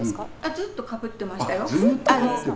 ずっとかぶってましたよ。